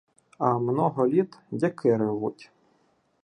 А много літ — дяки ревуть!